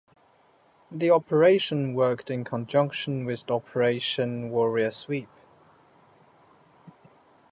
The Operation worked in conjunction with Operation Warrior Sweep.